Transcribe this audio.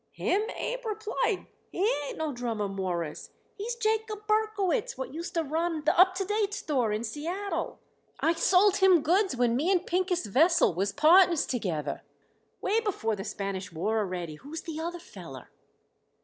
"Him?" Abe replied. "He ain't no drummer, Mawruss. He's Jacob Berkowitz, what used to run the Up to Date Store in Seattle. I sold him goods when me and Pincus Vesell was partners together, way before the Spanish War already. Who's the other feller?"